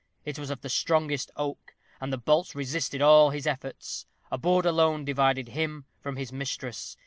It was of the strongest oak, and the bolts resisted all his efforts. A board alone divided him from his mistress.